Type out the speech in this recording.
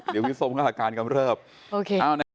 เดี๋ยวพี่ส้มก็อาการกำเริบโอเค